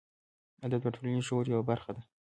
ادب د ټولنیز شعور یوه برخه ده.